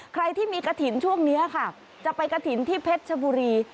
ใครที่มีกระถิ่นช่วงนี้ค่ะจะไปกระถิ่นที่เพชรชบุรี